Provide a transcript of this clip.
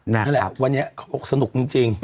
นั่นแหละวันนี้เขาบอกสนุกจริง